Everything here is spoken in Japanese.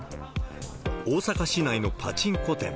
大阪市内のパチンコ店。